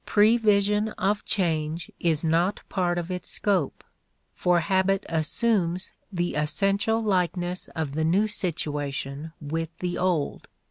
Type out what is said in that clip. Prevision of change is not part of its scope, for habit assumes the essential likeness of the new situation with the old.